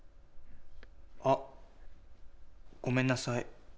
あっ、ごめんなさい。